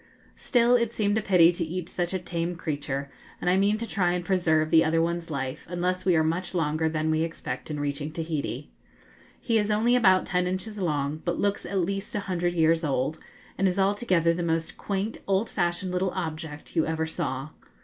Still it seemed a pity to eat such a tame creature, and I mean to try and preserve the other one's life, unless we are much longer than we expect in reaching Tahiti. He is only about ten inches long, but looks at least a hundred years old, and is altogether the most quaint, old fashioned little object you ever saw.